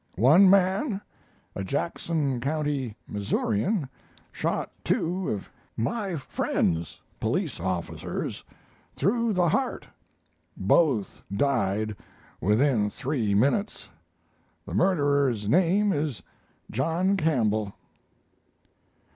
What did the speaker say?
One man, a Jackson County Missourian, shot two of my friends (police officers) through the heart both died within three minutes. The murderer's name is John Campbell.